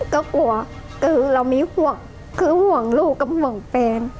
ก็กลัวคือเรามีห่วงคือห่วงลูกกับห่วงแฟน